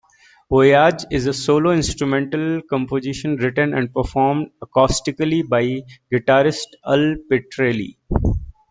Voyage is a solo instrumental composition written and performed acoustically by guitarist Al Pitrelli.